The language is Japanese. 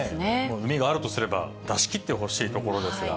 うみがあるとすれば出し切ってほしいところですが。